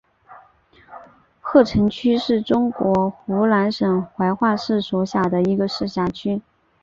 鹤城区是中国湖南省怀化市所辖的一个市辖区。